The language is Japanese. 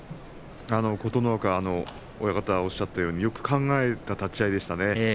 琴ノ若は親方がおっしゃったように力を考えた立ち合いでしたね。